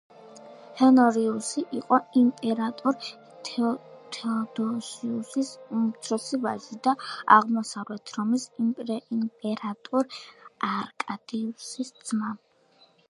ჰონორიუსი იყო იმპერატორ თეოდოსიუსის უმცროსი ვაჟი და აღმოსავლეთ რომის იმპერატორ არკადიუსის ძმა.